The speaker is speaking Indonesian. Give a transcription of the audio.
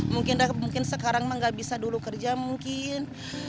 mungkin sekarang mah nggak bisa dulu kerja mungkin